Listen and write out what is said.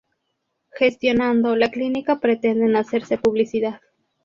Gestionando la clínica pretenden hacerse publicidad.